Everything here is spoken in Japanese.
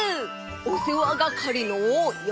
おせわがかりのようせい！